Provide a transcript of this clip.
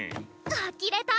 あきれた！